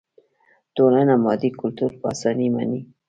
ټولنه مادي کلتور په اسانۍ مني.